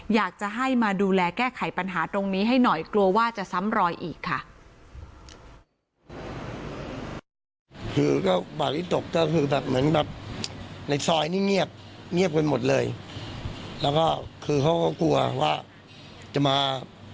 อยากจะให้มาดูแลแก้ไขปัญหาตรงนี้ให้หน่อยกลัวว่าจะซ้ำรอยอีกค่ะ